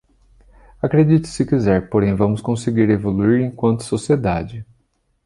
Acredite se quiser, porém vamos conseguir evoluir enquanto sociedade